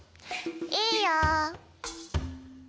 いいよ。